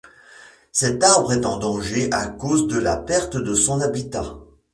Cet arbre est en danger à cause de la perte de son habitat.